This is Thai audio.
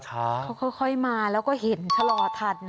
เขาค่อยมาแล้วก็เห็นชะลอทันนะ